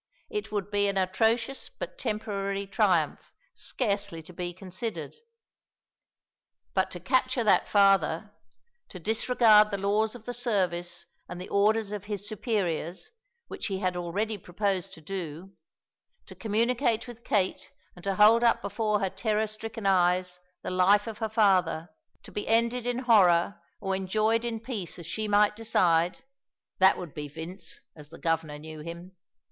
It would be an atrocious but temporary triumph scarcely to be considered. But to capture that father; to disregard the laws of the service and the orders of his superiors, which he had already proposed to do; to communicate with Kate and to hold up before her terror stricken eyes the life of her father, to be ended in horror or enjoyed in peace as she might decide that would be Vince, as the Governor knew him.